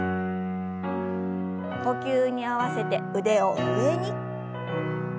呼吸に合わせて腕を上に。